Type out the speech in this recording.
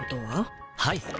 はい。